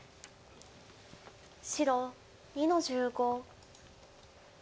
白２の十五。